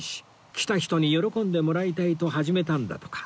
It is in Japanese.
来た人に喜んでもらいたいと始めたんだとか